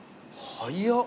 早っ。